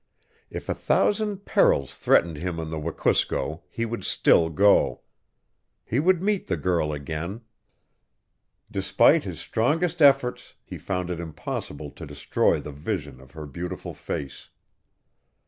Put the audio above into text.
If a thousand perils threatened him on the Wekusko he would still go. He would meet the girl again. Despite his strongest efforts he found it impossible to destroy the vision of her beautiful face.